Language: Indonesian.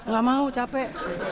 gak mau capek